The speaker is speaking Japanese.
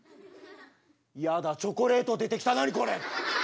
やだチョコレート出てきた何これ。